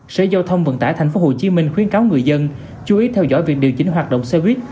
sở giao thông vận tải tp hcm khuyến cáo người dân chú ý theo dõi việc điều chỉnh hoạt động xe buýt